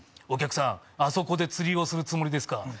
「お客さんあそこで釣りをするつもりですか？」